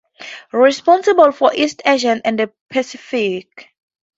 Responsible for East Asia and the Pacific.